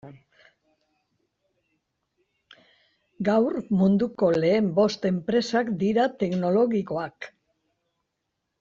Gaur munduko lehen bost enpresak dira teknologikoak.